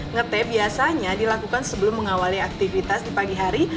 ngete biasanya dilakukan sebelum mengawali aktivitas di pagi hari